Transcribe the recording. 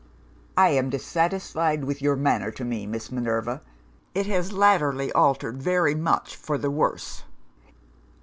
"'I am dissatisfied with your manner to me, Miss Minerva. It has latterly altered very much for the worse.